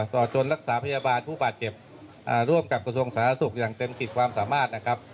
ต่อจนรักษาพยาบาลผู้บาดเจ็บร่วมกับกระทรวงสาธารณสุขอย่างเต็มขีดความสามารถนะครับ